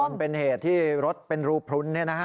มันเป็นเหตุที่รถเป็นรูพรุ้นเนี่ยนะฮะ